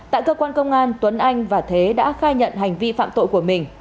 tại cơ quan công an tuấn anh và thế đã khai nhận hành vi phạm tội của mình